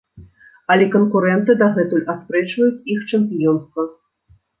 Але канкурэнты дагэтуль аспрэчваюць іх чэмпіёнства.